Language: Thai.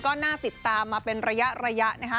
ก็น่าติดตามมาเป็นระยะนะคะ